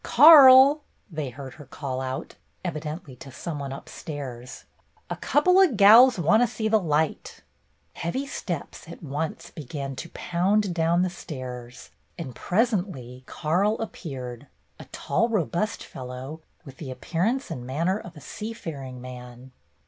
"Karl!" they heard her call out, evidently to some one upstairs. "A couple o' gals want to see the light." 3 34 BETTY BAIRD'S GOLDEN YEAR Heavy steps at once began to pound down the stairs, and presently Karl appeared, a tall, robust fellow, with the appearance and manner of a seafaring man.